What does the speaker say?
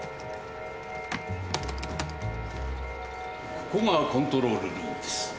ここがコントロールルームです。